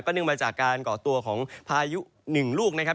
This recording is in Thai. ก็นึงมาจากการก่อตัวของพายุ๑ลูกนะครับ